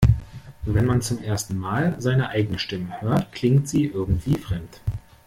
Wenn man zum ersten Mal seine eigene Stimme hört, klingt sie irgendwie fremd.